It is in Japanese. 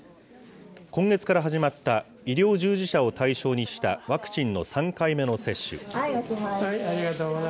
今月から始まった医療従事者を対象にしたワクチンの３回目の接種。